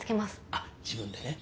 あっ自分でね？